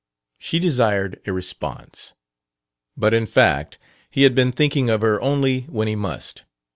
She desired a "response." But, in fact, he had been thinking of her only when he must.